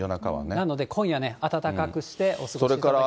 なので今夜ね、暖かくしてお過ごしいただければ。